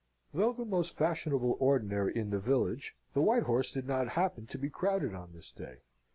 Though the most fashionable ordinary in the village, the White Horse did not happen to be crowded on this day.